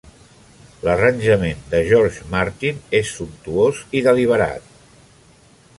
L'arranjament de George Martin és sumptuós i deliberat.